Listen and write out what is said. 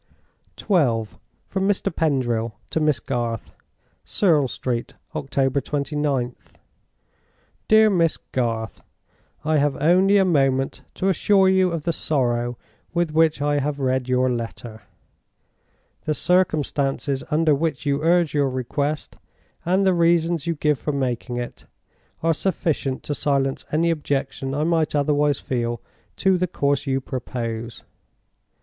XII. From Mr. Pendril to Miss Garth. "Serle Street, October 29th. "DEAR MISS GARTH, "I have only a moment to assure you of the sorrow with which I have read your letter. The circumstances under which you urge your request, and the reasons you give for making it, are sufficient to silence any objection I might otherwise feel to the course you propose.